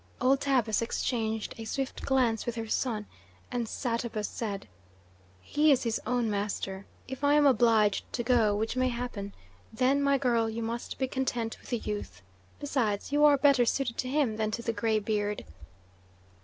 Old Tabus exchanged a swift glance with her son, and Satabus said: "He is his own master. If I am obliged to go which may happen then, my girl, you must be content with the youth. Besides, you are better suited to him than to the graybeard."